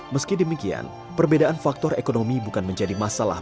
meski demikian perbedaan faktor ekonomi bukan menjadi masalah